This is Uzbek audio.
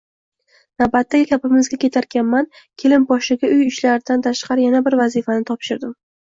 Navbatdagi gapimizga ketarkanman, kelinposhshaga uy ishlaridan tashqari yana bir vazifani topshirdim